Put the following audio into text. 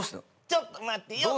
「ちょっと待ってよ」